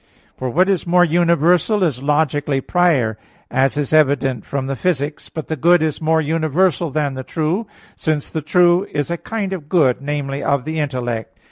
For what is more universal is logically prior, as is evident from Phys. i. But the good is more universal than the true, since the true is a kind of good, namely, of the intellect.